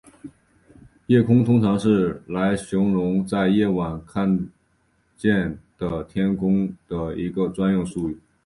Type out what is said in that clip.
夜空通常是用来形容在夜晚看见的天空的一个专用术语。